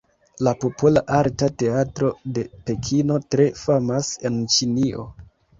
La Popola Arta Teatro de Pekino tre famas en Ĉinio.